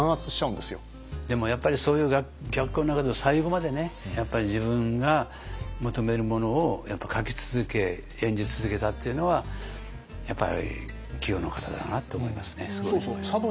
でもやっぱりそういう逆境の中で最後までね自分が求めるものを書き続け演じ続けたっていうのはやっぱり器用な方だなと思いますね。